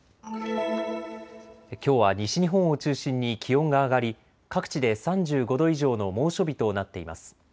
きょうは西日本を中心に気温が上がり、各地で３５度以上の猛暑日となっています。